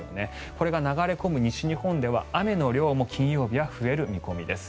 これが流れ込む西日本では雨の量も金曜日は増える見込みです。